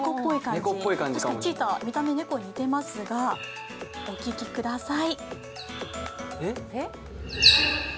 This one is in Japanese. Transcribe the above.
チーター、見た目猫に似ていますが、お聞きください。